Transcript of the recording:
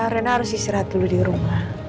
rena harus istirahat dulu di rumah